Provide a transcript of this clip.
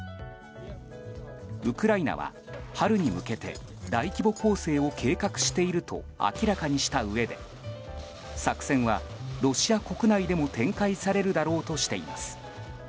ウクライナは、春に向けて大規模攻勢を計画していると明らかにしたうえで作戦はロシア国内でも展開されるだろうとしています。